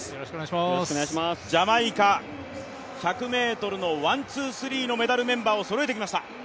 ジャマイカ、１００ｍのワン・ツー・スリーのメダルメンバーをそろえてきました。